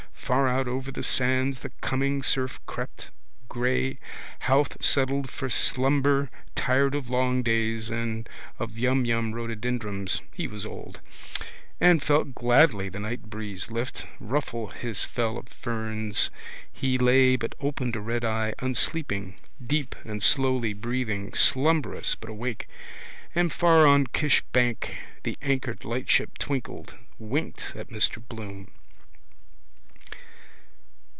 Far out over the sands the coming surf crept, grey. Howth settled for slumber, tired of long days, of yumyum rhododendrons (he was old) and felt gladly the night breeze lift, ruffle his fell of ferns. He lay but opened a red eye unsleeping, deep and slowly breathing, slumberous but awake. And far on Kish bank the anchored lightship twinkled, winked at Mr Bloom.